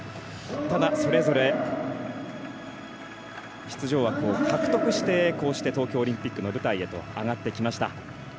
ただ、それぞれ出場枠を獲得してこうして東京オリンピックの舞台へとあがってきました。